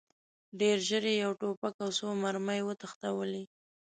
ډېر ژر یې یو توپک او څو مرمۍ وتښتولې.